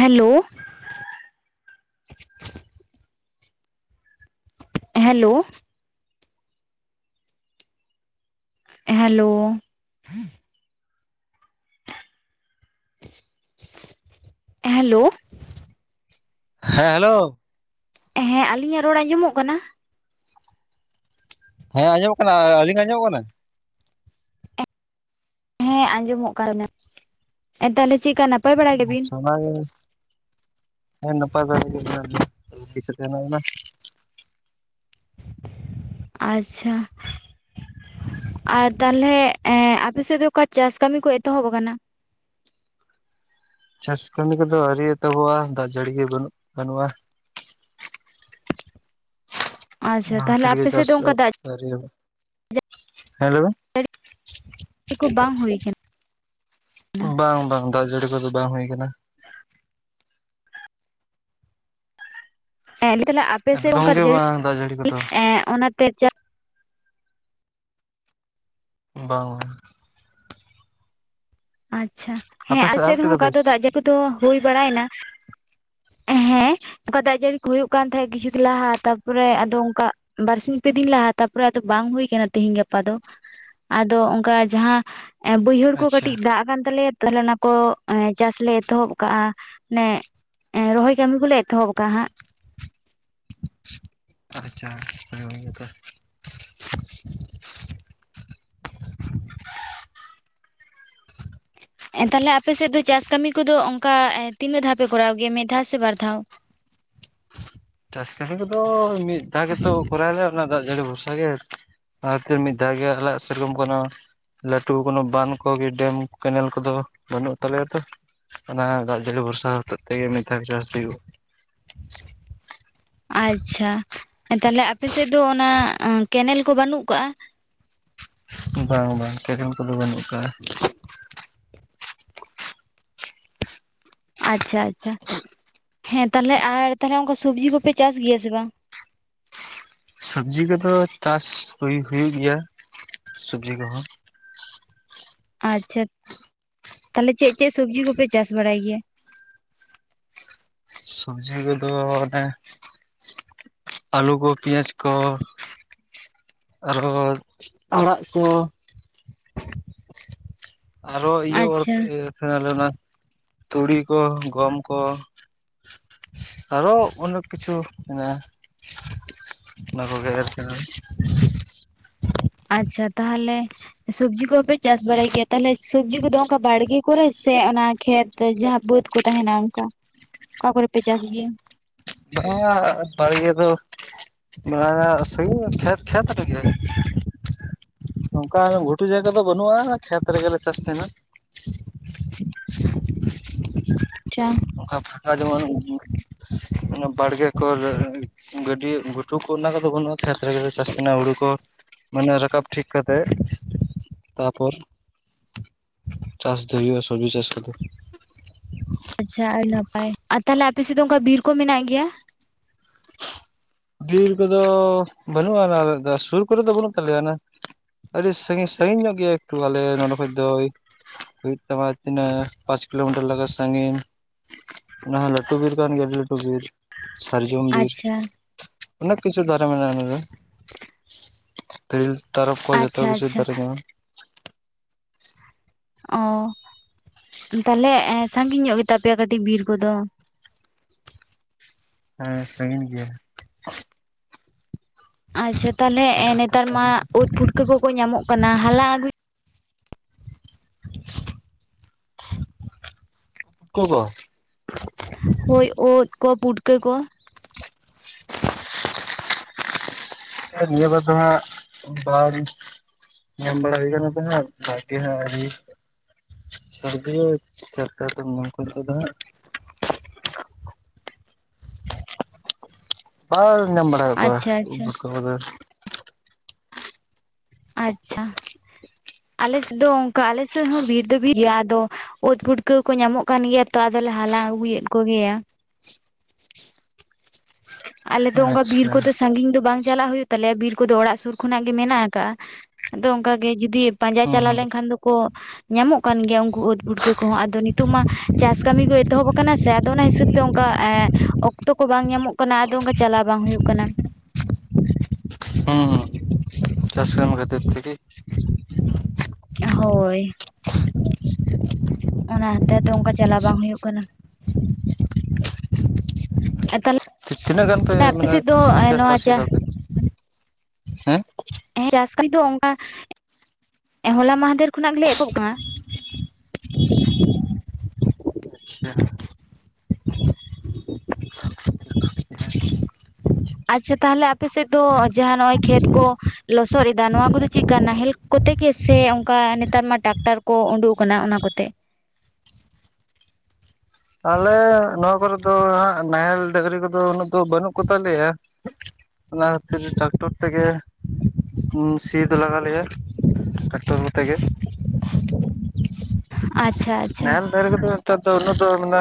Hello hello hello hello ᱦᱮᱸ hello ᱦᱮᱸ ᱟᱞᱤᱧᱟᱜ ᱨᱚᱲ ᱟᱡᱚᱢᱚᱜ ᱠᱟᱱᱟ ᱦᱮᱸ ᱟᱸᱡᱚᱢᱚᱜ ᱠᱟᱱᱟ ᱟᱹᱞᱤᱧᱟᱜ ᱟᱸᱡᱚᱢᱚᱜ ᱠᱟᱱᱟ ᱦᱮᱸ ᱟᱸᱡᱚᱢᱚᱜ ᱠᱟᱱᱟ ᱮᱸ ᱛᱟᱦᱚᱞᱮ ᱪᱮᱫᱠᱟ ᱦᱮ ᱟᱪᱪᱷᱟ ᱵᱟᱝ ᱜᱮ ᱱᱟᱯᱟᱭ ᱵᱟᱲᱟ ᱜᱮ [unintelligible] ᱟᱪᱪᱷᱟ ᱟᱨ ᱛᱟᱦᱞᱮ ᱟᱯᱮ ᱥᱮᱫ ᱫᱚ ᱚᱠᱟ ᱪᱟᱥ ᱠᱟᱹᱢᱤ ᱠᱚ ᱮᱛᱚᱦᱚᱵ ᱟᱠᱟᱱᱟ ᱪᱟᱥ ᱠᱟᱹᱢᱤ ᱠᱚᱫᱚ ᱟᱹᱣᱨᱤ ᱮᱛᱚᱦᱚᱵᱚᱜᱼᱟ ᱫᱟᱜ ᱡᱟᱹᱲᱤ ᱵᱟᱹᱱᱩᱜ ᱵᱟᱹᱱᱩᱜᱼᱟ ᱟᱪᱪᱷᱟ ᱛᱟᱦᱚᱞᱮ ᱟᱯᱮ [unintelligible] ᱥᱮᱫ ᱪᱟᱥ ᱫᱚ ᱚᱱᱠᱟ ᱫᱟᱜ ᱦᱮᱸ ᱦᱮᱞᱳ ᱪᱤᱠᱩ ᱵᱟᱝ ᱦᱩᱭ ᱟᱠᱟᱱᱟ ᱵᱟᱝ ᱵᱟᱝ ᱫᱟᱜ ᱡᱟᱹᱲᱤ ᱠᱚᱫᱚ ᱵᱟᱝ ᱦᱩᱭ ᱟᱠᱟᱱᱟ ᱞᱟᱹᱭ ᱫᱟᱞᱤᱧ ᱟᱯᱮᱥᱮᱫ ᱮᱠᱫᱚᱢ ᱚᱱᱠᱟ ᱜᱮ ᱡᱟᱹᱲᱤ ᱵᱟᱝ ᱫᱟᱜ ᱡᱟᱹᱲᱤ ᱠᱚᱫᱚ ᱮᱸ ᱚᱱᱟᱛᱮ ᱪᱟᱥ ᱵᱟᱝᱼᱟ ᱟᱪᱪᱷᱟ ᱦᱮᱸ ᱟᱯᱮ ᱟᱞᱮ ᱥᱮᱫ ᱮᱦᱚᱵ ᱥᱮᱫᱦᱚᱸ ᱠᱮᱫᱟ ᱯᱮ ᱚᱱᱠᱟ ᱫᱚ ᱫᱟᱜ ᱡᱟᱹᱲᱤ ᱠᱚᱫᱚ ᱦᱩᱭ ᱵᱟᱲᱟᱭᱮᱱᱟ ᱦᱮᱸ ᱚᱱᱠᱟ ᱫᱟᱜ ᱡᱟᱹᱲᱤ ᱠᱚ ᱦᱩᱭᱩᱜ ᱠᱟᱱ ᱛᱟᱦᱮᱸᱫ ᱠᱤᱪᱷᱩ ᱫᱤᱱ ᱞᱟᱦᱟ ᱛᱟᱯᱚᱨᱮ ᱟᱫᱚ ᱚᱱᱠᱟ ᱵᱟᱨᱥᱤᱧ ᱯᱮ ᱫᱤᱱ ᱞᱟᱦᱟ ᱛᱟᱨᱯᱚᱨᱮ ᱟᱫᱚ ᱵᱟᱝ ᱦᱩᱭ ᱟᱠᱟᱱᱟ ᱛᱤᱦᱤᱧ ᱜᱟᱯᱟ ᱫᱚ ᱟᱫᱚ ᱚᱱᱠᱟ ᱡᱟᱦᱟᱸ ᱵᱟᱹᱭᱦᱟᱹᱲ ᱠᱚ ᱠᱟᱹ ᱟᱪᱪᱷᱟ ᱫᱟᱜ ᱠᱟᱱ ᱛᱟᱞᱮᱭᱟ ᱛᱟᱦᱞᱮ ᱚᱱᱟ ᱠᱚ ᱪᱟᱥ ᱞᱮ ᱮᱛᱚᱦᱚᱵ ᱟᱠᱟᱫᱼᱟ ᱢᱟᱱᱮ ᱨᱚᱦᱚᱭ ᱠᱟᱹᱢᱤ ᱠᱚᱞᱮ ᱮᱛᱚᱦᱚᱵ ᱟᱠᱟᱫᱼᱟ ᱦᱟᱸᱜ ᱟᱪᱪᱷᱟ, ᱱᱟᱯᱟᱭ ᱵᱟᱲᱟ ᱜᱮᱛᱚ? [inaudible] ᱛᱟᱦᱞᱮ ᱟᱯᱮ ᱥᱮᱫ ᱫᱚ ᱪᱟᱥ ᱠᱟᱹᱢᱤ ᱠᱚᱫᱚ ᱚᱱᱠᱟ ᱛᱤᱱᱟᱹᱜ ᱫᱷᱟᱣ ᱯᱮ ᱠᱚᱨᱟᱣ ᱜᱮᱭᱟ ᱢᱤᱫ ᱫᱷᱟᱣ ᱥᱮ ᱵᱟᱨ ᱫᱷᱟᱣ ᱪᱟᱥ ᱠᱟᱹᱢᱤ ᱠᱚᱫᱚ ᱢᱤᱫ ᱫᱷᱟᱣ ᱜᱮᱛᱚ ᱠᱚᱨᱟᱣᱟᱞᱮ ᱚᱱᱟ ᱫᱟᱜ ᱡᱟᱹᱲᱤ ᱵᱷᱚᱨᱥᱟ ᱜᱮ ᱚᱱᱟ ᱠᱷᱟᱹᱛᱤᱨ ᱢᱤᱫ ᱫᱷᱟᱣ ᱜᱮ ᱟᱞᱮ ᱥᱮᱨᱚᱠᱚᱢ ᱠᱳᱱᱳ ᱞᱟᱹᱴᱩ ᱠᱳᱱᱳ ᱵᱟᱸᱫᱷ ᱠᱚᱜᱮ ᱰᱮᱢ ᱠᱮᱱᱮᱞ ᱠᱚᱫᱚ ᱵᱟᱹᱱᱩᱜ ᱛᱟᱞᱮᱭᱟ ᱛᱚ ᱚᱱᱟ ᱫᱟᱜ ᱡᱟᱹᱲᱤ ᱵᱷᱚᱨᱥᱟ ᱦᱚᱛᱮᱫ ᱛᱮᱜᱮ ᱢᱤᱫ ᱫᱷᱟᱣ ᱪᱟᱥ ᱦᱩᱭᱩᱜᱼᱟ ᱟᱪᱪᱷᱟ ᱛᱟᱦᱚᱞᱮ ᱟᱯᱮᱥᱮᱫ ᱫᱚ ᱚᱱᱟ ᱠᱮᱱᱮᱞ ᱠᱚ ᱵᱟᱹᱱᱩᱜ ᱟᱠᱟᱜᱼᱟ ᱵᱟᱝ ᱵᱟᱝ ᱠᱮᱱᱮᱞ ᱠᱚᱫᱚ ᱵᱟᱹᱱᱩᱜ ᱟᱠᱟᱫᱼᱟ ᱟᱪᱪᱷᱟ ᱟᱪᱪᱷᱟ ᱦᱮᱸ ᱛᱟᱦᱚᱞᱮ ᱟᱨ ᱛᱟᱦᱚᱞᱮ ᱚᱱᱠᱟ ᱥᱚᱵᱽᱡᱤ ᱠᱚᱯᱮ ᱪᱟᱥ ᱜᱮᱭᱟ ᱥᱮ ᱵᱟᱝ ᱥᱚᱵᱽᱡᱤ ᱠᱚᱫᱚ ᱪᱟᱥ ᱦᱩᱭ ᱦᱩᱭᱩᱜ ᱜᱮᱭᱟ ᱥᱚᱵᱽᱡᱤ ᱠᱚᱦᱚᱸ ᱟᱪᱪᱷᱟ ᱛᱟᱦᱚᱞᱮ ᱪᱮᱫ ᱪᱮᱫ ᱥᱚᱵᱽᱡᱤ ᱠᱚᱯᱮ ᱪᱟᱥ ᱵᱟᱲᱟᱭ ᱜᱮᱭᱟ ᱥᱚᱵᱽᱡᱤ ᱠᱚᱫᱚ ᱚᱱᱮ ᱟᱹᱞᱩ ᱠᱚ ᱯᱮᱸᱭᱟᱡᱽ ᱠᱚ ᱟᱨᱚ ᱟᱲᱟᱜ ᱠᱚ [unintelligible] ᱟᱨᱚ ᱤᱭᱟᱹ ᱟᱪᱪᱷᱟ ᱚᱨᱤᱛᱟᱦᱮᱱᱟᱞᱮ [inaudible] ᱛᱩᱲᱤ ᱠᱚ ᱜᱚᱢ ᱠᱚ [inaudible] ᱟᱨᱚ ᱚᱱᱮᱠ ᱠᱤᱪᱷᱩ ᱢᱮᱱᱟᱜᱼᱟ [inaudible] ᱚᱱᱟ ᱠᱚᱜᱮ ᱮᱨ ᱛᱟᱦᱮᱱ ᱟᱪᱪᱷᱟ ᱛᱟᱦᱚᱞᱮ ᱥᱚᱵᱡᱤ ᱠᱚᱦᱚ ᱯᱮ ᱪᱟᱥ ᱵᱟᱲᱟᱭ ᱜᱮᱭᱟ ᱛᱟᱦᱚᱞᱮ ᱥᱚᱵᱡᱤ ᱠᱚᱫᱚ ᱚᱱᱠᱟ ᱵᱟᱲᱜᱮ ᱠᱚᱨᱮ ᱥᱮ ᱚᱱᱟ ᱠᱷᱮᱛ ᱛᱟᱹ ᱡᱟᱦᱟᱸ ᱵᱟᱹᱫᱽ ᱠᱚ ᱛᱟᱦᱮᱱᱟ ᱚᱱᱠᱟ [inaudible] ᱚᱠᱟ ᱠᱚᱨᱮ ᱯᱮ ᱪᱟᱥ ᱜᱮᱭᱟ ᱵᱟᱝᱟ ᱵᱟᱲᱜᱮ ᱫᱚ ᱵᱟᱝᱟ [unintelligible] ᱠᱷᱮᱛ ᱠᱷᱮᱛ ᱨᱮᱜᱮ [inaudible] ᱱᱚᱝᱠᱟ ᱜᱷᱩᱴᱩ ᱡᱟᱭᱜᱟ ᱫᱚ ᱵᱟᱹᱱᱩᱜᱼᱟ ᱠᱷᱮᱛ ᱨᱮᱜᱮ ᱞᱮ ᱪᱟᱥ ᱛᱟᱦᱮᱱᱟ ᱟᱪᱪᱷᱟ ᱚᱱᱠᱟ ᱯᱷᱟᱸᱠᱟ ᱡᱮᱢᱚᱱ [unintelligible] ᱵᱟᱲᱜᱮ ᱠᱚᱨᱮ ᱜᱟᱹᱰᱤᱭᱟᱹᱜ ᱜᱷᱩ ᱴᱩ ᱠᱚ ᱚᱱᱟ ᱠᱚᱫᱚ ᱵᱟᱹᱱᱩᱜᱼᱟ ᱠᱷᱮᱛ ᱨᱮᱜᱮ ᱞᱮ ᱪᱟᱥ ᱛᱟᱦᱮᱱᱟ ᱦᱩᱲᱩ ᱠᱚ ᱢᱟᱱᱮ ᱨᱟᱠᱟᱵ ᱴᱷᱤᱠ ᱠᱟᱛᱮᱫ ᱛᱟᱯᱚᱨ [inaudible] ᱪᱟᱥ ᱫᱚ ᱦᱩᱭᱩᱜᱼᱟ ᱥᱚᱵᱡᱤ ᱪᱟᱥ ᱠᱚᱫᱚ ᱟᱪᱪᱷᱟ ᱟᱹᱰᱤ ᱱᱟᱯᱟᱭ ᱟᱨ ᱛᱟᱦᱞᱮ ᱟᱯᱮ ᱥᱮᱫ ᱫᱚ ᱚᱱᱠᱟ ᱵᱤᱨ ᱠᱚ ᱢᱮᱱᱟᱜ ᱜᱮᱭᱟ ᱵᱤᱨ ᱠᱚᱫᱚ ᱵᱟᱹᱱᱩᱜ ᱟᱱᱟ [unintelligible] ᱥᱩᱨ ᱠᱚᱨᱮ ᱫᱚ ᱵᱟᱹᱱᱩᱜ ᱛᱟᱞᱮ ᱭᱟᱱᱟ ᱟᱹᱰᱤ ᱥᱟᱺᱜᱤᱧ ᱥᱟᱺᱜᱤᱧ ᱧᱚᱜ ᱜᱮᱭᱟ ᱮᱠᱴᱩ ᱟᱞᱮ ᱱᱚᱰᱮ ᱠᱷᱚᱡ ᱫᱚ ᱦᱩᱭᱩᱜ ᱛᱟᱢᱟ ᱛᱤᱱᱟᱹᱜ ᱯᱟᱸᱪ ᱠᱤᱞᱳᱢᱤᱴᱟᱨ ᱞᱟᱜᱟ ᱥᱟᱺᱜᱤᱧ [inaudible] ᱚᱱᱟ ᱦᱚᱸ ᱞᱟᱹᱴᱩ ᱵᱤᱨ ᱠᱟᱱ ᱜᱮᱭᱟ ᱟᱹᱰᱤ ᱞᱟᱹᱴᱩ ᱵᱤᱨ [inaudible] ᱥᱟᱨᱡᱚᱢ ᱵᱤᱨ ᱟᱪᱪᱷᱟ ᱚᱱᱮᱠ ᱠᱤᱪᱷᱩ ᱫᱟᱨᱮ ᱢᱮᱱᱟᱜᱼᱟ ᱱᱚᱨᱮ [inaudible] ᱛᱤᱨᱤᱞ ᱛᱟᱨᱚᱵ ᱠᱚ ᱡᱚᱛᱚ ᱟᱪᱪᱷᱟ ᱠᱤᱪᱷᱩ ᱟᱪᱪᱷᱟ ᱫᱟᱨᱮ ᱧᱟᱢᱚᱜᱼᱟ ᱚᱸ [inaudible] ᱛᱟᱦᱞᱮ ᱥᱟᱺᱜᱤᱧ ᱧᱚᱜ ᱜᱮ ᱛᱟᱯᱮᱭᱟ ᱠᱟᱹᱴᱤᱡ ᱵᱤᱨ ᱠᱚᱫᱚ ᱦᱮᱸ ᱥᱟᱺᱜᱤᱧ ᱜᱮᱭᱟ [inaudible] ᱟᱪᱪᱷᱟ ᱛᱟᱦᱞᱮ ᱱᱤᱭᱟᱹ ᱵᱟᱨ ᱫᱚ ᱱᱮᱛᱟᱨ ᱢᱟ ᱥᱟᱺᱜᱤᱧ ᱩᱫ ᱯᱩᱴᱠᱟᱹ ᱠᱚᱠᱚ ᱧᱟᱢᱚᱜ ᱠᱟᱱᱟ ᱦᱟᱞᱟᱝ ᱟᱜᱩ [inaudible] ᱯᱩᱴᱠᱟ. ᱠᱚ ᱦᱳᱭ ᱩᱫ ᱠᱚ ᱯᱩᱴᱠᱟᱹ ᱠᱚ [inaudible] ᱱᱤᱭᱟᱹ ᱵᱟᱨ ᱫᱚ ᱦᱟᱸᱜ [inaudible] ᱵᱟᱝ ᱧᱟᱢ ᱵᱟᱲᱟ ᱦᱩᱭ ᱠᱟᱱᱟ ᱛᱚ ᱦᱟᱸᱜ ᱫᱟᱜ ᱜᱮ ᱦᱟᱸᱜ ᱟᱣᱨᱤ [inaudible] ᱥᱟᱹᱨᱫᱤᱭᱟᱭ ᱪᱮᱫ ᱠᱟ ᱛᱮᱢ ᱧᱟᱢ ᱠᱚᱣᱟ ᱱᱤᱛᱚᱜ ᱫᱚ ᱦᱟᱸᱜ ᱵᱟᱞᱮ ᱧᱟᱢ ᱵᱟᱲᱟᱭᱮᱫ ᱠᱚᱣᱟ ᱟᱪᱪᱷᱟ ᱩᱫ ᱟᱪᱪᱷᱟ ᱯᱩᱴᱠᱟᱹ ᱠᱚᱫᱚ ᱟᱪᱪᱷᱟ ᱟᱞᱮ ᱥᱮᱫ ᱫᱚ ᱚᱱᱠᱟ ᱟᱞᱮᱥᱮ ᱦᱚᱸ ᱵᱤᱨ ᱫᱚ ᱵᱤᱨ ᱜᱮᱭᱟ ᱟᱫᱚ ᱩᱫ ᱯᱩᱴᱠᱟᱹ ᱠᱚ ᱧᱟᱢᱚᱜ ᱠᱟᱱ ᱜᱮᱭᱟ ᱛᱚ ᱟᱫᱚᱞᱮ ᱦᱟᱞᱟᱝ ᱟᱹᱜᱩᱭᱮᱫ ᱠᱚᱜᱮᱭᱟ ᱟᱞᱮ ᱫᱚ ᱚᱱᱠᱟ ᱵᱤᱨ ᱟᱪᱪᱷᱟ ᱠᱚᱫᱚ ᱥᱟᱺᱜᱤᱧ ᱫᱚ ᱵᱟᱝ ᱪᱟᱞᱟᱜ ᱦᱩᱭᱩᱜ ᱛᱟᱞᱮᱭᱟ ᱵᱤᱨ ᱠᱚᱫᱚ ᱚᱲᱟᱜ ᱥᱩᱨ ᱠᱷᱚᱱᱟᱜ ᱜᱮ ᱢᱮᱱᱟᱜ ᱟᱠᱟᱜᱼᱟ ᱟᱫᱚ ᱚᱱᱠᱟ ᱜᱮ ᱡᱩᱫᱤ ᱯᱟᱸᱡᱟ ᱦᱩᱸ ᱪᱟᱞᱟᱣ ᱦᱩᱸ ᱞᱮᱱᱠᱷᱟᱱ ᱫᱚᱠᱚ ᱧᱟᱢᱚᱜ ᱠᱟᱱ ᱜᱮᱭᱟ ᱩᱱᱠᱩ ᱩᱫ ᱯᱩᱴᱠᱟᱹ ᱠᱚᱦᱚᱸ ᱟᱫᱚ ᱱᱤᱛᱚᱜ ᱢᱟ ᱪᱟᱥ ᱠᱟᱹᱢᱤ ᱠᱚ ᱮᱛᱚᱦᱚᱵ ᱟᱠᱟᱱᱟ ᱥᱮ ᱟᱫᱚ ᱚᱱᱟ ᱦᱤᱥᱟᱹᱵ ᱛᱮ ᱚᱱᱠᱟ ᱮᱸ ᱚᱠᱛᱚ ᱠᱚ ᱵᱟᱝ ᱧᱟᱢᱚᱜ ᱠᱟᱱᱟ ᱟᱫᱚ ᱚᱱᱠᱟ ᱪᱟᱞᱟᱣ ᱵᱟᱝ ᱦᱩᱭᱩᱜ ᱠᱟᱱᱟ ᱦᱢ ᱦᱢ [inaudible] ᱪᱟᱥ ᱠᱟᱹᱢᱤ ᱠᱷᱟᱹᱛᱤᱨ ᱛᱮᱜᱮ ᱦᱳᱭᱭ ᱚᱱᱟ ᱦᱟᱛᱮᱫ ᱛᱮ ᱟᱫᱚ ᱚᱱᱠᱟ ᱪᱟᱞᱟᱣ ᱵᱟᱝ ᱦᱩᱭᱩᱜ ᱠᱟᱱᱟ ᱛᱤᱱᱟᱹᱜ ᱜᱟᱱ ᱯᱮ [unintelligible] ᱟᱯᱮ ᱢᱟᱱᱮ ᱥᱮᱫ ᱫᱚ ᱪᱟᱥ ᱱᱚᱣᱟ ᱪᱟᱥ ᱪᱟ ᱮᱫᱟ ᱯᱮ ᱦᱮᱸ ᱦᱮᱸ ᱪᱟᱥ ᱠᱚ ᱫᱚ ᱚᱱᱠᱟ [inaudible] ᱦᱚᱞᱟ ᱢᱟᱦᱫᱮᱨ ᱠᱷᱚᱱᱟᱜ ᱜᱮᱞᱮ ᱮᱛᱚᱦᱚᱵ ᱟᱠᱟ-ᱟ ᱟᱪᱪᱷᱟ ᱟᱪᱪᱷᱟ ᱛᱟᱦᱚᱞᱮ ᱟᱯᱮ ᱥᱮᱫ ᱫᱚ ᱡᱟᱦᱟᱸ ᱱᱚᱜᱼᱚᱭ ᱠᱷᱮᱛ ᱠᱚ ᱞᱚᱥᱚᱫ ᱮᱫᱟ ᱱᱚᱣᱟ ᱠᱚᱫᱚ ᱪᱮᱠᱟ ᱱᱟᱦᱮᱞ ᱠᱚᱛᱮ ᱜᱮ ᱥᱮ ᱚᱱᱠᱟ ᱱᱮᱛᱟᱨ ᱢᱟ ᱴᱟᱠᱴᱟᱨ ᱠᱚ ᱩᱸᱰᱩᱜ ᱟᱠᱟᱱᱟ ᱚᱱᱟ ᱠᱚᱛᱮ ᱟᱞᱮ ᱱᱚᱣᱟ ᱠᱚᱨᱮ ᱫᱚ ᱦᱟᱸᱜ ᱱᱟᱦᱮᱞ ᱰᱟᱹᱝᱨᱤ ᱠᱚᱫᱚ ᱩᱱᱟᱹᱜ ᱫᱚ ᱵᱟᱹᱱᱩᱜ ᱠᱚ ᱛᱟᱞᱮᱭᱟ [inaudible] ᱚᱱᱟ ᱠᱷᱟᱹᱛᱤᱨ ᱴᱨᱟᱠᱴᱚᱨ ᱛᱮᱜᱮ [inaudible] ᱥᱤ ᱫᱚ ᱞᱟᱜᱟᱣ ᱞᱮᱭᱟ ᱴᱨᱟᱠᱴᱚᱨ ᱠᱚᱛᱮ ᱜᱮ [inaudible] ᱟᱪᱪᱷᱟ ᱟᱪᱪᱷᱟ ᱰᱟᱹᱝᱨᱤ ᱠᱚᱫᱚ ᱱᱮᱛᱟᱨ ᱫᱚ ᱩᱱᱟᱹᱜ ᱫᱚ ᱢᱟᱱᱮ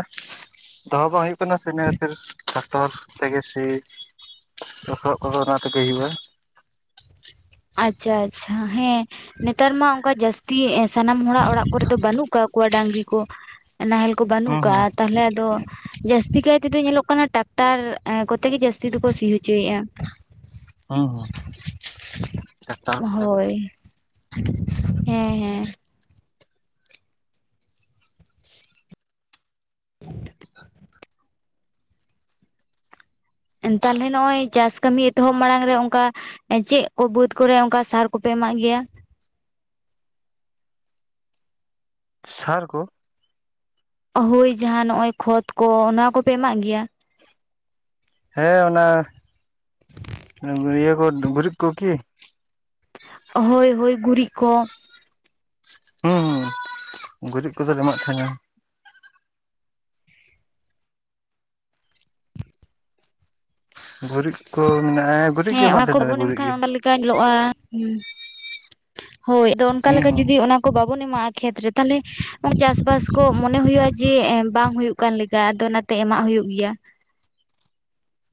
ᱫᱚᱦᱚ ᱵᱟᱝ ᱦᱩᱭᱩᱜ ᱠᱟᱱᱟ ᱥᱮ ᱤᱱᱟᱹ ᱠᱷᱟᱹᱛᱤᱨ ᱴᱟᱠᱴᱚᱨ ᱛᱮᱜᱮ ᱥᱤ ᱞᱚᱥᱚᱫ ᱠᱚᱫᱚ ᱚᱱᱟ ᱛᱮᱜᱮ ᱦᱩᱭᱩᱜᱼᱟ ᱟᱪᱪᱷᱟ ᱟᱪᱪᱷᱟ ᱦᱮᱸ ᱱᱮᱛᱟᱨ ᱢᱟ ᱚᱱᱠᱟ ᱡᱟᱹᱥᱛᱤ ᱮᱸ ᱥᱟᱱᱟᱢ ᱦᱚᱲᱟᱜ ᱚᱲᱟᱜ ᱠᱚᱨᱮ ᱫᱚ ᱵᱟᱹᱱᱩᱜ ᱟᱠᱟᱫ ᱠᱚᱣᱟ ᱰᱟᱹᱝᱨᱤ ᱠᱚ ᱱᱟᱦᱮᱞ ᱠᱚ ᱵᱟᱹᱱᱩᱜ ᱦᱩᱸ ᱦᱩᱸ ᱠᱟᱜᱼᱟ ᱛᱟᱦᱞᱮ ᱟᱫᱚ ᱡᱟᱹᱥᱛᱤ ᱠᱟᱭ ᱛᱮᱫᱚ ᱧᱮᱞᱚᱜ ᱠᱟᱱᱟ ᱴᱟᱠᱴᱟᱨ ᱠᱚᱛᱮ ᱜᱮ ᱡᱟᱹᱥᱛᱤ ᱫᱚᱠᱚ ᱥᱤ ᱦᱚᱪᱚᱭᱮᱜᱼᱟ ᱦᱚᱸ ᱦᱚᱸ ᱦᱳᱭ ᱦᱮᱸ ᱦᱮᱸ [unintelligible] ᱛᱟᱦᱞᱮ ᱱᱚᱜ-ᱚᱭ ᱪᱟᱥ ᱠᱟᱹᱢᱤ ᱮᱛᱚᱦᱚᱵ ᱢᱟᱲᱟᱝ ᱨᱮ ᱚᱝᱠᱟ ᱪᱮᱫ ᱠᱚ ᱵᱟᱹᱛ ᱠᱚᱨᱮ ᱚᱱᱠᱟ ᱥᱟᱨ ᱠᱚᱯᱮ ᱮᱢᱟᱜ ᱜᱮᱭᱟ ᱥᱟᱨ ᱠᱚ ᱦᱳᱭ ᱡᱟᱦᱟ ᱱᱚᱜᱼᱚᱭ ᱠᱷᱚᱛ ᱠᱚ ᱚᱱᱟ ᱠᱚᱯᱮ ᱮᱢᱟᱜ ᱜᱮᱭᱟ ᱦᱮᱸ ᱚᱱᱟ ᱤᱭᱟᱹ ᱠᱚ ᱜᱩᱨᱤᱡ ᱠᱚ ᱠᱤ ᱦᱳᱭ ᱦᱳᱭ ᱜᱩᱨᱤᱜ ᱠᱚ ᱦᱩᱸ ᱦᱩᱸ ᱜᱩᱨᱤᱜ ᱠᱚᱫᱚ ᱛᱟᱦᱮᱸᱜᱼᱟ ᱜᱩᱨᱤᱡ ᱠᱚ ᱢᱮᱱᱟᱜᱼᱟ ᱮ ᱜᱩᱨᱤᱡ ᱜᱮ ᱮᱢᱟᱜ ᱛᱟᱦᱮᱱᱟᱞᱮ ᱜᱩᱨᱤᱡ ᱜᱮ ᱠᱟ ᱧᱮᱞᱚᱜᱼᱟ ᱦᱩᱸ ᱦᱳᱭ ᱟᱫᱚ ᱚᱱᱠᱟ ᱦᱩᱸ ᱞᱮᱠᱟ ᱦᱩᱸ ᱡᱩᱫᱤ ᱚᱱᱟ ᱠᱚ ᱵᱟᱵᱚᱱ ᱮᱢᱟᱜᱼᱟ ᱠᱷᱮᱛ ᱨᱮ ᱛᱟᱞᱦᱮ ᱪᱟᱥ ᱵᱟᱥ ᱠᱚ ᱢᱚᱱᱮ ᱦᱳᱭᱳᱜ-ᱟ ᱡᱮ ᱮᱸ ᱵᱟᱝ ᱦᱳᱭᱳᱜ ᱠᱟᱱ ᱞᱮᱠᱟ ᱟᱫᱚ ᱚᱱᱟᱛᱮ ᱮᱢᱟᱜ ᱦᱳᱭᱳᱜ ᱜᱮᱭᱟ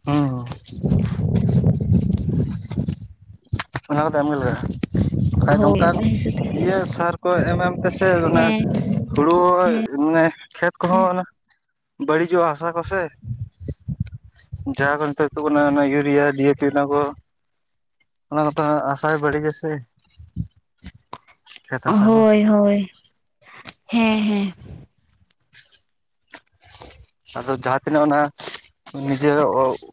ᱚᱦᱚᱸ [unintelligible] ᱚᱱᱟ ᱠᱚᱫᱚ ᱮᱢᱜᱮ ᱞᱟᱜᱟᱜᱼᱟ ᱵᱟᱠᱷᱟᱡ ᱦᱳᱭ ᱱᱚᱝᱠᱟᱱ ᱚᱱᱟ ᱦᱤᱥᱟᱹᱵ ᱛᱮ ᱤᱭᱟᱹ ᱥᱟᱨ ᱠᱚ ᱮᱢ ᱮᱢ ᱛᱮᱥᱮ ᱚᱱᱟ ᱦᱮᱸ ᱦᱩᱲᱩ ᱢᱟᱱᱮ ᱠᱷᱮᱛ ᱠᱚᱦᱚᱸ ᱚᱱᱟ ᱵᱟᱹᱲᱤᱡᱚᱜᱼᱟ ᱦᱟᱥᱟ ᱠᱚᱥᱮ ᱡᱟᱦᱟᱸ ᱠᱚ ᱱᱤᱛᱚᱜ ᱛᱩᱜ ᱠᱟᱱᱟ ᱚᱱᱟ ᱤᱭᱩᱨᱤᱭᱟ ᱡᱤ ᱮ ᱯᱤ ᱚᱱᱟ ᱠᱚ ᱚᱱᱟ ᱢᱟᱛᱚ ᱦᱟᱥᱟᱭ ᱵᱟᱹᱲᱤᱡ ᱟᱥᱮ ᱦᱳᱭ ᱦᱳᱭ ᱦᱮᱸ ᱦᱮᱸ ᱟᱫᱚ ᱡᱟᱦᱟᱸ ᱛᱤᱱᱟᱹᱜ ᱚᱱᱟ ᱱᱤᱡᱮ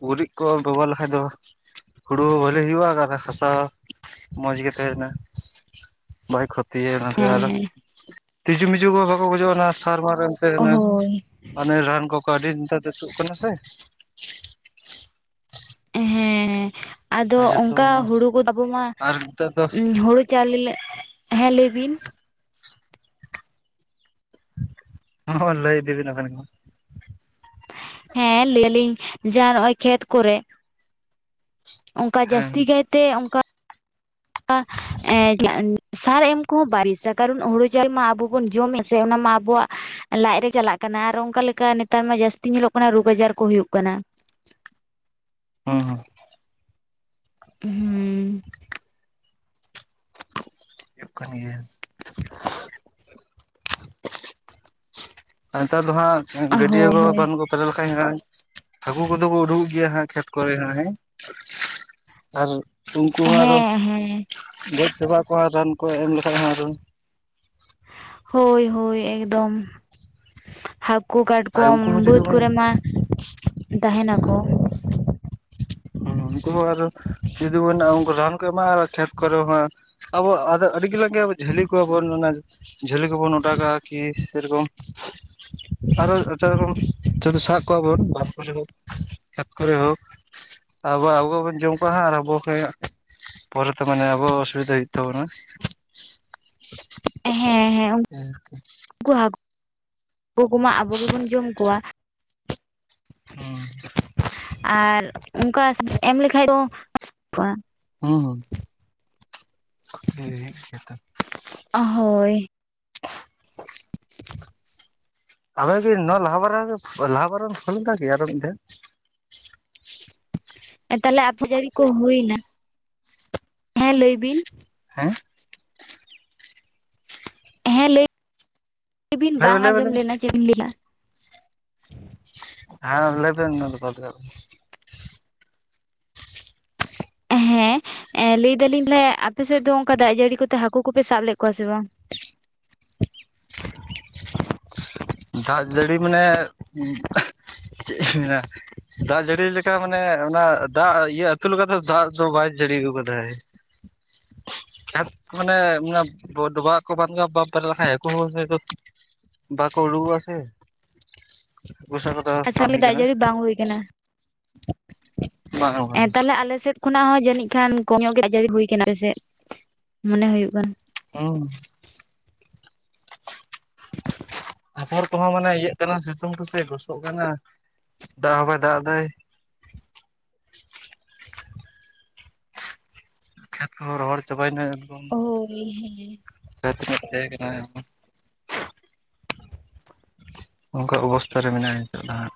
ᱜᱩᱨᱤᱡ ᱠᱚ ᱵᱮᱵᱚᱦᱟᱨ ᱞᱮᱠᱷᱟᱡ ᱫᱚ ᱦᱩᱲᱩ ᱦᱚᱸ ᱵᱷᱟᱹᱞᱤ ᱦᱩᱭᱩᱜᱼᱟ ᱟᱨ ᱦᱟᱥᱟ ᱢᱚᱡᱽ ᱜᱮ ᱵᱟᱭ ᱠᱷᱚᱛ ᱛᱤᱭᱮ ᱚᱱᱟᱛᱮ ᱦᱮᱸ ᱟᱫᱚ ᱦᱮᱸ ᱛᱤᱡᱩᱢᱤᱡᱩ ᱠᱚ ᱵᱟᱠᱚ ᱜᱩᱡᱩᱜᱼᱟ ᱚᱱᱟ ᱥᱟᱨ ᱵᱟᱨ ᱮᱢᱛᱮ ᱚᱱᱮ ᱦᱳᱭ ᱚᱱᱮ ᱨᱟᱱ ᱠᱚᱠᱚ ᱟᱹᱰᱤ ᱱᱮᱛᱟᱨ ᱫᱚ ᱛᱩᱜ ᱠᱟᱱᱟ ᱥᱮ ᱦᱮᱸ ᱟᱫᱚ ᱡᱚᱛᱚ ᱚᱝᱠᱟ ᱦᱩᱲᱩ ᱠᱚ ᱟᱵᱚ ᱢᱟ ᱟᱨ ᱱᱮᱛᱟᱨ ᱫᱚ [unintelligible] ᱪᱟᱣᱞᱮ ᱞᱮ ᱦᱮᱸ ᱞᱟᱹᱭ ᱵᱤᱱ ᱦᱚ ᱦᱚ ᱞᱟᱹᱭ ᱤᱫᱤ ᱵᱤᱱ ᱟᱵᱤᱱ ᱜᱮ ᱢᱟ ᱦᱮᱸ ᱞᱟᱹᱭ ᱟᱞᱤᱧ ᱡᱟᱨ ᱦᱚᱜ-ᱚᱭ ᱠᱷᱮᱛ ᱠᱚᱨᱮᱜ ᱚᱱᱠᱟ ᱦᱮᱸ ᱡᱟᱹᱥᱛᱤ ᱠᱟᱭ ᱛᱮ ᱚᱝᱠᱟ ᱠᱟ ᱮ ᱥᱟᱨ ᱮᱢ ᱠᱚᱦᱚᱸ ᱵᱟᱭ ᱵᱮᱥᱟ ᱠᱟᱨᱚᱱ ᱦᱳᱲᱳ ᱪᱟᱣᱞᱮ ᱢᱟ ᱟᱵᱚ ᱵᱚᱱ ᱡᱚᱢᱮᱫ ᱥᱮ ᱚᱱᱟ ᱢᱟ ᱟᱵᱚᱣᱟᱜ ᱞᱟᱡ ᱨᱮ ᱪᱟᱞᱟᱜ ᱠᱟᱱᱟ ᱟᱨ ᱚᱱᱠᱟ ᱞᱮᱠᱟ ᱱᱮᱛᱟᱨ ᱢᱟ ᱡᱟᱹᱥᱛᱤ ᱧᱮᱞᱚᱜ ᱠᱟᱱᱟ ᱨᱳᱜᱽ ᱟᱡᱟᱨ ᱠᱚ ᱦᱳᱭᱳᱜ ᱠᱟᱱᱟ ᱦᱚ ᱦᱚ ᱦᱩᱸ ᱦᱩᱭᱩᱜ ᱠᱟᱱ ᱜᱮᱭᱟ ᱱᱮᱛᱟᱨ ᱫᱚ ᱦᱟᱜ ᱜᱟᱹᱰᱭᱟᱹ ᱦᱳᱭ ᱠᱚ ᱦᱳᱭ ᱵᱟᱝᱠᱚ [unintelligible] ᱦᱟᱠᱳ ᱠᱚᱫᱚ ᱠᱚ ᱟᱰᱳᱝ ᱚᱜ ᱜᱮᱭᱟ ᱦᱟᱸᱜ ᱠᱷᱮᱛ ᱠᱚᱨᱮ ᱦᱟᱸᱜ ᱦᱮᱸ ᱟᱨ ᱩᱱᱠᱩ ᱦᱚᱸ ᱟᱨᱚ ᱦᱮᱸ ᱦᱮᱸ ᱜᱚᱡ ᱪᱟᱵᱟᱜ ᱟᱠᱚ ᱨᱟᱱ ᱠᱚ ᱮᱢ ᱞᱮᱠᱷᱟᱡ ᱦᱚᱸ ᱟᱨᱚ ᱦᱳᱭ ᱦᱳᱭ ᱮᱠᱫᱚᱢ [unintelligible] ᱠᱳ ᱟᱨ ᱠᱟᱴᱠᱚᱢ ᱩᱱᱠᱩ ᱦᱚᱸ ᱡᱩᱫᱤ ᱵᱟᱹᱫ ᱵᱚᱱ ᱠᱚᱨᱮ ᱢᱟ ᱛᱟᱦᱮ ᱱᱟᱠᱚ ᱦᱩ ᱩᱱᱠᱩ ᱦᱚᱸ ᱟᱨᱚ ᱡᱩᱫᱤ ᱵᱚᱱ ᱩᱱᱠᱩ ᱨᱟᱱ ᱠᱚ ᱮᱢᱟᱜᱼᱟ ᱠᱷᱮᱛ ᱠᱚᱨᱮ ᱢᱟ᱾ ᱟᱵᱚ ᱟᱫᱚ ᱟᱹᱰᱤ [unintelligible] ᱜᱮ ᱡᱷᱟᱞᱤ ᱠᱚᱣᱟ ᱵᱚᱱ ᱚᱱᱟ ᱡᱷᱟᱹᱞᱤ ᱠᱚᱵᱚᱱ ᱚᱰᱟᱣ ᱠᱟᱜ-ᱟ ᱠᱤ ᱥᱮᱨᱚᱠᱚᱢ ᱟᱨᱚ ᱮᱴᱟᱜ ᱨᱚᱠᱚᱢ ᱡᱩᱫᱤ ᱥᱟᱵ ᱠᱚᱣᱟ ᱵᱚᱱ ᱵᱟᱨ ᱯᱮ ᱨᱚᱠᱚᱢ ᱠᱷᱮᱛ ᱠᱚᱨᱮ ᱦᱳᱠ ᱟᱵᱚ ᱟᱵᱚᱵᱚᱱ ᱡᱚᱢ ᱠᱚᱣᱟ ᱟᱨ ᱟᱵᱚ ᱠᱷᱮᱡ ᱯᱚᱨᱮᱛᱮᱚ ᱢᱟᱱᱮ ᱟᱵᱚ ᱚᱥᱩᱵᱤᱫᱷᱟ ᱦᱩᱭᱩᱜ ᱛᱟᱵᱚᱱᱟ᱾ [inaudible] ᱦᱮᱸ ᱦᱮᱸ ᱦᱮᱸᱪᱮ ᱩᱱᱠᱩ ᱦᱟᱹ [inaudible] ᱠᱩ ᱦᱟᱹᱠᱩ ᱠᱚᱢᱟ ᱟᱵᱚ ᱜᱮᱵᱚᱱ ᱡᱚᱢ ᱠᱚᱣᱟ᱾ ᱦᱚᱸ ᱟᱨ ᱚᱱᱠᱟ ᱮᱢ ᱞᱠᱷᱟᱡ ᱫᱚ [unintelligible] ᱦᱩᱸ ᱦᱩᱸ [unintelligible] ᱦᱳᱭ [inaudible] ᱟᱵᱮᱱᱜᱮ ᱱᱚᱣᱟ ᱞᱟᱦᱟ ᱵᱟᱨ ᱞᱟᱦᱟ ᱵᱟᱨ ᱮᱢ ᱯᱷᱚᱱ ᱞᱮᱫᱟ ᱠᱤ ᱟᱨᱚ ᱢᱤᱫᱴᱷᱮᱣ ᱮ ᱛᱟᱦᱞᱮ [unintelligible] ᱡᱟᱲᱤ ᱠᱚ ᱦᱩᱭ ᱱᱟ ᱦᱮᱸ ᱞᱟᱹᱭ ᱵᱤᱱ ᱦᱮᱸ ᱦᱮᱸ ᱞᱟᱹᱭ [inaudible] ᱵᱤᱱ ᱞᱟᱹᱭ ᱵᱟᱝ ᱵᱮᱱ ᱞᱟᱹᱭ ᱵᱮᱱ ᱟᱸᱡᱚᱢ ᱞᱮᱱᱟ ᱪᱮᱫ ᱮᱢ ᱞᱟᱹᱭ ᱠᱮᱜᱼᱟ᱾ ᱦᱮᱸ ᱞᱟᱹᱭᱮᱵᱤᱱ ᱟᱱᱟ [unintelligible] ᱦᱮᱸ ᱞᱟᱹᱭ ᱫᱟᱞᱤᱧ [unintelligible] ᱞᱮ ᱟᱯᱮᱥᱮᱫ ᱫᱚ ᱚᱱᱠᱟ ᱫᱟᱜ ᱡᱟᱹᱲᱤ ᱠᱚᱛᱮ ᱦᱟᱹᱠᱩ ᱠᱚᱯᱮ ᱥᱟᱵ ᱞᱮᱫ ᱠᱚᱣᱟ ᱥᱮ ᱵᱟᱝ? ᱫᱟᱜ ᱡᱟᱹᱲᱤ ᱢᱟᱱᱮ ᱪᱮᱫ ᱢᱮᱱᱟ ᱫᱟᱜ ᱡᱟᱹᱲᱤ ᱞᱮᱠᱟ ᱢᱟᱱᱮ ᱚᱱᱟ ᱫᱟᱜ ᱤᱭᱟᱹ ᱟᱹᱛᱩ ᱞᱮᱠᱟ ᱫᱚ ᱫᱟᱜ ᱫᱚ ᱵᱟᱭ ᱡᱟᱹᱲᱤ ᱟᱹᱜᱩ ᱠᱟᱫᱟᱭ᱾ [inaudible] [inaudible] ᱢᱟᱱᱮ [unintelligible] ᱰᱚᱵᱦᱟᱜ ᱠᱚ [unintelligible] [unintelligible] ᱟ ᱥᱮ ᱜᱳᱥᱟ [unintelligible] ᱠᱚᱫᱚ ᱟᱪᱪᱷᱟ ᱵᱟᱝ ᱦᱩᱭ ᱫᱟᱜ ᱠᱟᱱᱟ᱾ ᱡᱟᱹᱲᱤ ᱵᱟᱝ ᱦᱩᱭ ᱠᱟᱱᱟ [inaudible] ᱵᱟᱝ ᱛᱟᱦᱚᱞᱮ ᱟᱞᱮᱮᱥᱮᱫ ᱠᱷᱚᱱᱟᱜ ᱦᱚᱸ ᱡᱟᱹᱱᱤᱡ ᱠᱷᱟᱱ ᱠᱚᱢ ᱧᱚᱜ ᱜᱮ ᱫᱟᱜ ᱡᱟᱹᱲᱤ ᱦᱩᱭ ᱟᱠᱟᱱᱟ ᱟᱯᱮᱥᱮᱫ [inaudible] ᱢᱚᱱᱮ ᱦᱩᱭᱩᱜ ᱠᱟᱱᱟ᱾ [unintelligible] ᱟᱯᱚᱨ ᱠᱚᱦᱚᱸ ᱢᱟᱱᱮ ᱤᱭᱟᱹᱜ ᱠᱟᱱᱟ ᱥᱤᱛᱩᱝ ᱛᱮᱥᱮ ᱜᱚᱥᱚᱜ ᱠᱟᱱᱟ ᱫᱟᱜ ᱦᱚᱸ ᱵᱟᱭ ᱫᱟᱜ ᱮ ᱫᱟᱭ᱾ ᱠᱷᱮᱛ ᱠᱚᱦᱚᱸ ᱨᱚᱦᱚᱲ ᱪᱟᱵᱟᱭᱮᱱᱟ ᱮᱠᱫᱚᱢ ᱦᱳᱭ ᱦᱮᱸ [inaudible] ᱠᱷᱮᱛ ᱨᱮᱱᱟᱜ ᱛᱟᱦᱮᱸ ᱠᱟᱱᱟ ᱚᱱᱠᱟ ᱚᱵᱚᱥᱛᱛᱟ ᱨᱮ ᱢᱮᱱᱟᱭᱟ ᱱᱤᱛᱚᱜ ᱫᱚ ᱦᱟᱜ᱾